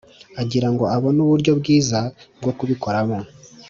Agira ngo abone uburyo bwiza bwo kubikoramo